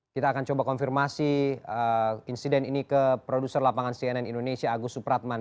kita akan coba konfirmasi insiden ini ke produser lapangan cnn indonesia agus supratman